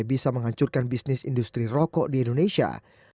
ide ini dinilai bisa menghancurkan bisnis industri rokok di indonesia